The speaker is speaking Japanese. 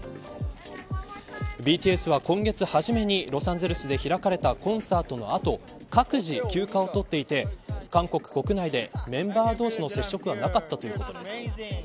ＢＴＳは、今月初めにロサンゼルスで開かれたコンサートの後各自、休暇を取っていて韓国国内でメンバー同士の接触はなかったということです。